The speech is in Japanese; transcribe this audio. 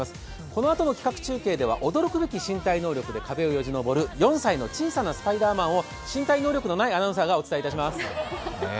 このあとの企画中継では驚くべき身体能力で壁をよじ登る４歳の小さなスパイダーマンを身体能力のないアナウンサーがお伝えします。